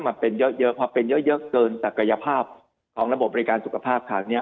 มาเป็นเยอะพอเป็นเยอะเกินศักยภาพของระบบบริการสุขภาพคราวนี้